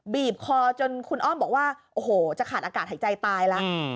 บีบคอจนคุณอ้อมบอกว่าโอ้โหจะขาดอากาศหายใจตายแล้ว